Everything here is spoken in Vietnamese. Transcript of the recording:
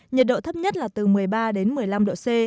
nhiệt độ thấp nhất là từ một mươi ba đến một mươi năm độ c